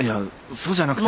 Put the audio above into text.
そうじゃなくて。